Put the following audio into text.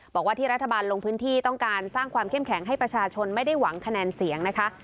บอกว่าที่รัฐบาลลงพื้นที่ต้องการสร้างความเข้มแข็งให้ประชาชนไม่ได้หวังคะแนนเสียงนะคะ